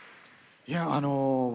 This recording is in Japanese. いやあの僕